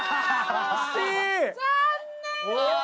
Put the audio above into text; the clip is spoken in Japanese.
残念！